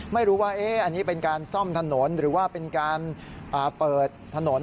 ไม่รู้ว่าอันนี้เป็นการซ่อมถนนหรือว่าเป็นการเปิดถนน